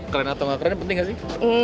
keren atau nggak keren penting gak sih